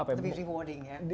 itu rewarding ya